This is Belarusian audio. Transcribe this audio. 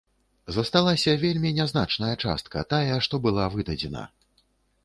Засталася вельмі нязначная частка, тая, што была выдадзена.